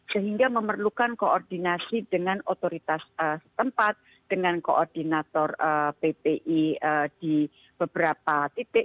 sehingga memerlukan koordinasi dengan otoritas tempat dengan koordinator ppi di beberapa titik